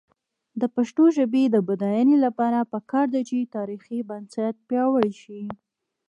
د پښتو ژبې د بډاینې لپاره پکار ده چې تاریخي بنسټ پیاوړی شي.